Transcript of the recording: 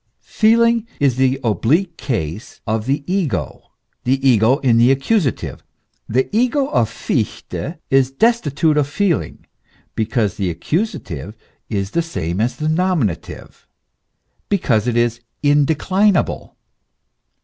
Feeling is the oblique case of the ego, the ego in the accusative. The ego of Fichte is destitute of feeling, because the accusative is the same as the nominative, because it is indeclinable.